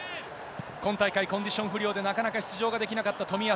今大会、コンディション不良でなかなか出場ができなかった冨安。